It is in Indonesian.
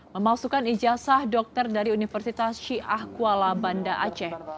memasukkan ijazah dokter dari universitas syiah kuala banda aceh